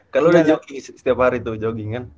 karena lo udah jogging setiap hari tuh jogging kan